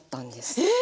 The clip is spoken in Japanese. えっ！